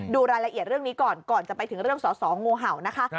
ดูรายละเอียดเรื่องนี้ก่อนก่อนจะไปถึงเรื่องสอสองูเห่านะคะ